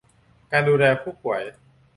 การดูแลผู้ป่วย